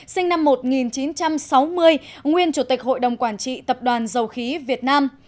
sinh năm một nghìn chín trăm sáu mươi nguyên chủ tịch hội đồng quản trị tập đoàn dầu khí việt nam